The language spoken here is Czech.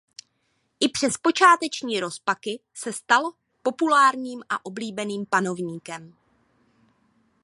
I přes počáteční rozpaky se stal populárním a oblíbeným panovníkem.